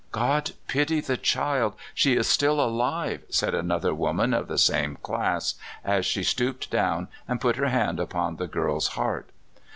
*'God pity the child I She's still alive," said another woman of the same class, as she stooped down and put her hand upon the girl's heart.